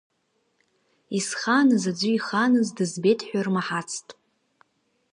Исхааныз аӡәы ихааныз дызбеит иҳәо рмаҳацт.